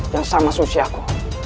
yang sama susiaku